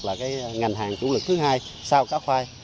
là cái ngành hàng chủ lực thứ hai sau cá khoai